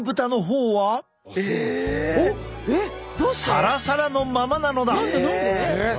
サラサラのままなのだ。